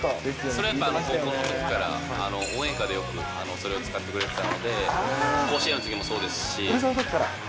それは高校のときから応援歌でよく、それを使ってくれてたので、甲子園のときもそうですし。